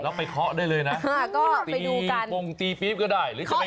แล้วไปเคาะได้เลยนะก็ไปดูกันปรุงตีปี๊บก็ได้